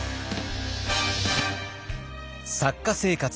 作家生活